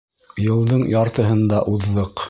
— Йылдың яртыһын да уҙҙыҡ.